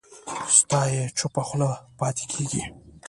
ستایي یې چوپه خوله پاتې کېږي